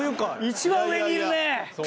一番上にいるね。